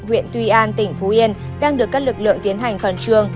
huyện tuy an tỉnh phú yên đang được các lực lượng tiến hành phần trương